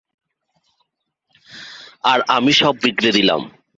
আর আমি সব বিগড়ে দিলাম।